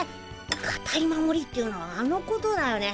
かたい守りっていうのはあのことだね。